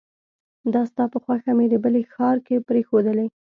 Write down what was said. دا ستا په خوښه مې د بلې ښار کې پريښودلې